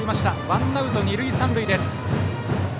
ワンアウト二塁三塁。